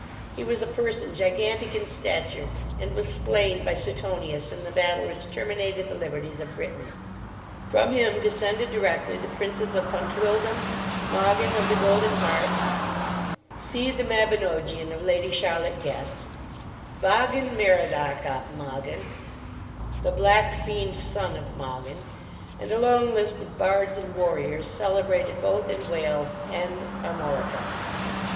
He was a person gigantic in stature, and was slain by Suetonius in the battle which terminated the liberties of Britain. From him descended directly the Princes of Pontydwdlm, Mogyn of the Golden Harp (see the Mabinogion of Lady Charlotte Guest,) Bogyn Merodac ap Mogyn, (the black fiend son of Mogyn,) and a long list of bards and warriors, celebrated both in Wales and Armorica.